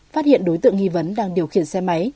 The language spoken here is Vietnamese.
phát hiện đối tượng nghi vấn đang điều khiển xe máy